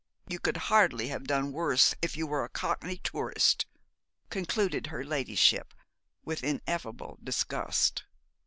You could hardly have done worse if you were a Cockney tourist,' concluded her ladyship, with ineffable disgust.